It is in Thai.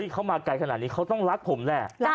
เขามาไกลขนาดนี้เขาต้องรักผมแหละ